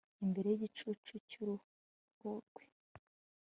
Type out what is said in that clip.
Imbere yigicucu cyuruhu rwe